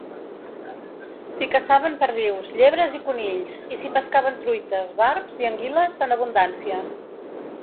S'hi caçaven perdius, llebres i conills, i s'hi pescaven truites, barbs i anguiles en abundància.